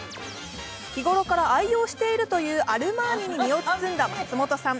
日頃から愛用しているというアルマーニに身を包んだ松本さん。